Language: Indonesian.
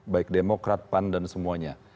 baik demokrat pan dan semuanya